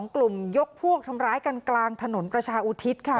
กลุ่มยกพวกทำร้ายกันกลางถนนประชาอุทิศค่ะ